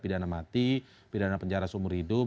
pidana mati pidana penjara seumur hidup